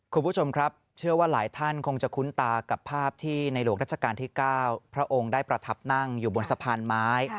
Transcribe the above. คุณผู้ชมครับเชื่อว่าหลายท่านคงจะคุ้นตากับภาพที่ในหลวงรัชกาลที่๙พระองค์ได้ประทับนั่งอยู่บนสะพานไม้